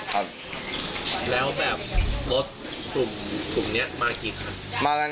แล้วแบบรถกลุ่มนี้มากี่คัน